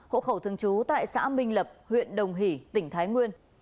hộ khẩu thường trú tại xã minh lập huyện đồng hỷ tỉnh thái nguyên